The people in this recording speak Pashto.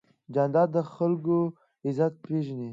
جانداد د خلکو عزت پېژني.